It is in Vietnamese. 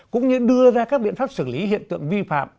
cũng như đưa ra các biện pháp xử lý hiện tượng vi phạm